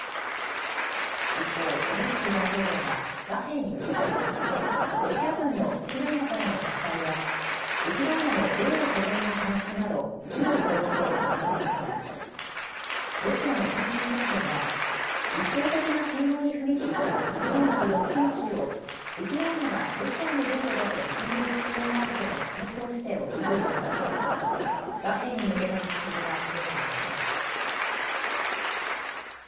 一方、ゼレンスキー大統領は和平に向けてロシア軍のウクライナからの撤退やウクライナの領土保全の回復など１０の項目を掲げていますがロシアのプーチン政権は一方的な併合に踏み切ったウクライナの４つの州をウクライナがロシアの領土だと認める必要があるとの強硬姿勢を崩しておらず和平に向けた道筋は見えていません。